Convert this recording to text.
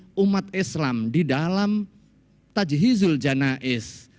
di umat islam di dalam tajihizul janazah